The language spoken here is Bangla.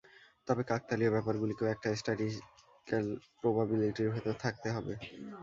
তবে কাকতালীয় ব্যাপারগুলিকেও একটা স্ট্যাটিসটিক্যাল প্রবাবিলিটির ভেতর থাকতে হবে।